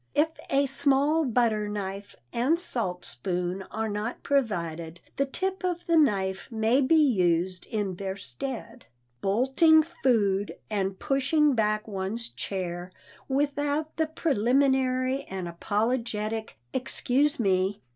If a small butter knife and salt spoon are not provided, the tip of the knife may be used in their stead. Bolting food and pushing back one's chair without the preliminary and apologetic "Excuse me!"